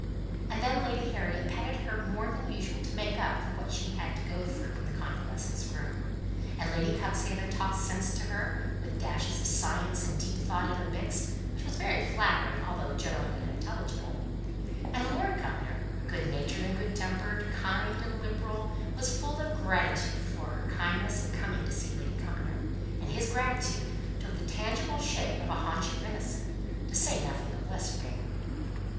And then Lady Harriet petted her more than usual to make up for what she had to go through in the convalescent's room; and Lady Cuxhaven talked sense to her, with dashes of science and deep thought intermixed, which was very flattering, although generally unintelligible; and Lord Cumnor, good natured, good tempered, kind, and liberal, was full of gratitude to her for her kindness in coming to see Lady Cumnor, and his gratitude took the tangible shape of a haunch of venison, to say nothing of lesser game.